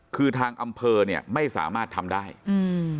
คือทางอำเภอเนี้ยไม่สามารถทำได้อืม